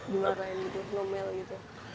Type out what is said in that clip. dimarahin gitu ngomel gitu